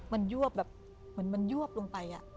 มันยวบแบบเหมือนมันยวบลงไป